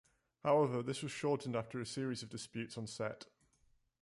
However, this was shortened after a series of disputes on set.